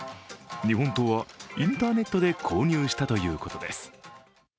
日本刀はインターネットで購入したということです。